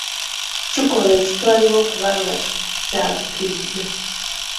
Kikolwa ekitwalibwa okuba nga kyabutujju.